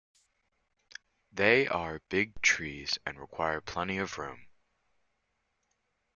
They are big trees and require plenty of room.